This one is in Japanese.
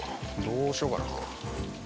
どうしようかな。